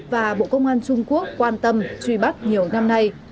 và bộ công an trung quốc quan tâm truy bắt nhiều năm nay